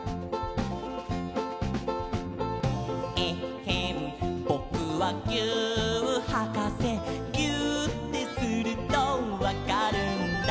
「えっへんぼくはぎゅーっはかせ」「ぎゅーってするとわかるんだ」